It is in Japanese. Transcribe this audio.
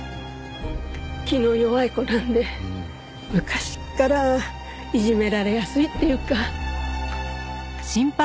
気の弱い子なんで昔からいじめられやすいっていうか。